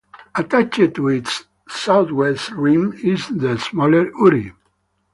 Attached to its southwest rim is the smaller Urey.